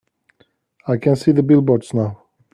I can see the billboards now.